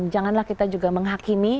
janganlah kita juga menghakimi